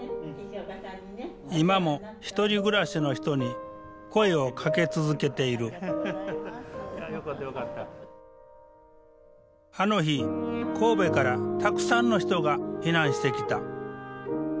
今も１人暮らしの人に声をかけ続けているあの日神戸からたくさんの人が避難してきた。